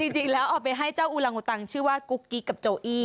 จริงแล้วเอาไปให้เจ้าอูลังอุตังชื่อว่ากุ๊กกิ๊กกับโจอี้